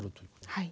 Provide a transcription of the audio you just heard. はい